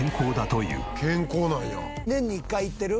「健康なんや」年に１回行ってる？